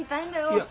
いや。